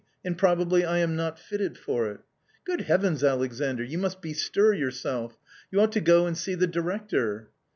And probably I am not fitted for it." " Good Heavens, Alexandr, you must bestir yourself. You ought to go and see the director."